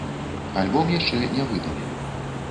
Альбом яшчэ не выдалі.